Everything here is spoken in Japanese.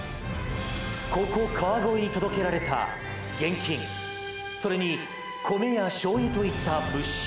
ここ、川越に届けられた現金それに米やしょうゆといった物資。